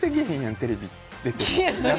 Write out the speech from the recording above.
テレビ出ても。